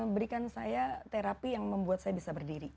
berikan saya terapi yang membuat saya bisa berdiri